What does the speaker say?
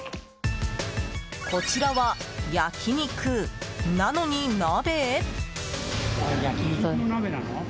こちらは焼き肉なのに鍋？